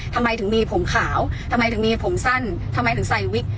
ทำไมถึงมีผมขาวทำไมถึงมีผมสั้นทำไมถึงใส่วิก